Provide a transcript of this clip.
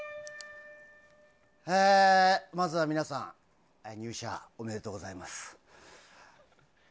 まずは皆さん入社おめでとうございます。